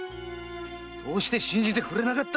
どうして信じてくれなかった？